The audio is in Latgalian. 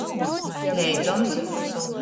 Leidzons.